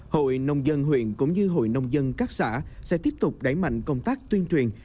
hội nông dân huyện cũng như hội nông dân các xã sẽ tiếp tục đẩy mạnh công tác tuyên truyền